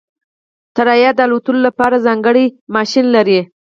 الوتکه د الوت لپاره ځانګړی انجن لري.